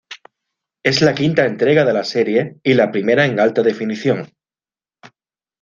Es la quinta entrega de la serie y la primera en alta definición.